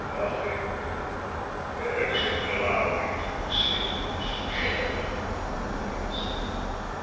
"Nothing, except allow me to sit in this chair," he gasped.